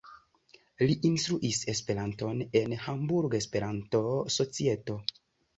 Li instruis Esperanton en Hamburga Esperanto-Societo.